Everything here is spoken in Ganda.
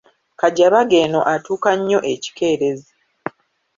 Kajabaga eno atuuka nnyo ekikeerezi.